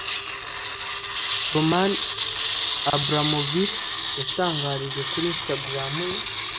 roman abramovich yatangarije kuri instagram ye